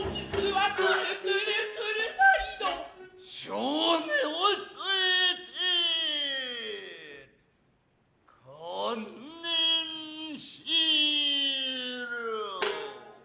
性根を据えて観念しろ。